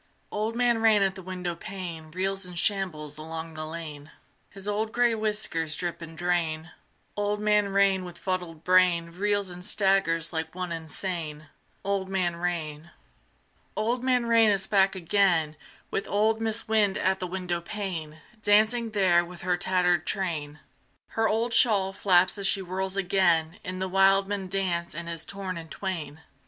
Old Man Rain at the windowpane Reels and shambles along the lane: His old gray whiskers drip and drain: Old Man Rain with fuddled brain Reels and staggers like one insane. Old Man Rain. Old Man Rain is back again, With old Mis' Wind at the windowpane, Dancing there with her tattered train: Her old shawl flaps as she whirls again In the wildman dance and is torn in twain.